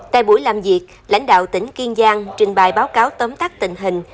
tại buổi làm việc lãnh đạo tỉnh kiên giang trình bài báo cáo tấm tắt tình hình